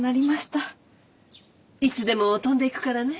いつでも飛んでいくからね。